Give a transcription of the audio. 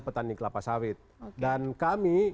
petani kelapa sawit dan kami